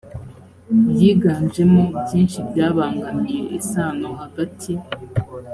yiganjemo byinshi byabangamiye isano hagati